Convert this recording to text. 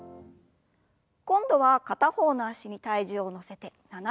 今度は片方の脚に体重を乗せて斜めに。